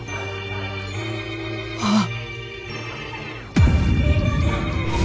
ああ！